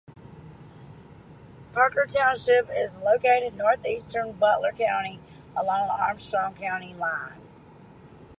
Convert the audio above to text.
Parker Township is located in northeastern Butler County, along the Armstrong County line.